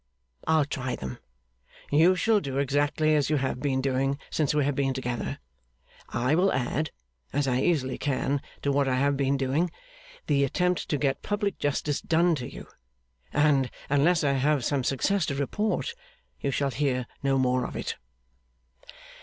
I'll try them. You shall do exactly as you have been doing since we have been together. I will add (as I easily can) to what I have been doing, the attempt to get public justice done to you; and, unless I have some success to report, you shall hear no more of it.